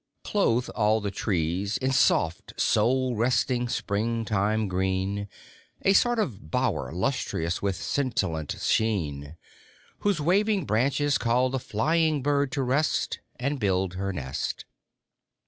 Clothe all the trees in soft, soul resting, spring time green A sort of bower lustrous with scintillant sheen Whose waving branches call the flying bird to rest And build her nest.